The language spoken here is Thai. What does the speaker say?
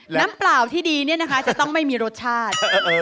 น้ำเปล่าที่ดีเนี่ยนะคะจะต้องไม่มีรสชาติ